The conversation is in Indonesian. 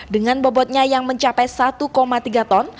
dengan bobotnya yang mencapai satu tiga ton